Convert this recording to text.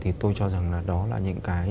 thì tôi cho rằng là đó là những cái